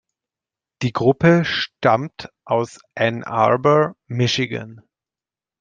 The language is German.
Die Gruppe stammt aus Ann Arbor, Michigan.